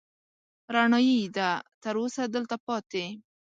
رڼايي يې ده، تر اوسه دلته پاتې